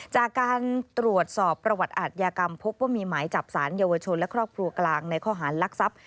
จากการตรวจสอบประวัติอาทยากรรมพบว่ามีหมายจับสารเยาวชนและครอบครัวกลางในข้อหารลักทรัพย์